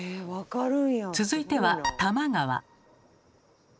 続いては多摩川。